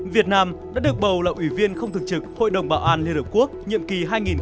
việt nam đã được bầu là ủy viên không thường trực hội đồng bảo an liên hợp quốc nhiệm kỳ hai nghìn tám hai nghìn chín